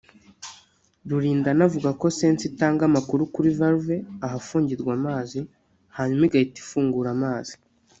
Rulindana avuga ko sensor itanga amakuru kuri ’valve’(ahafungurirwa amazi) hanyuma igahita ifungura amazi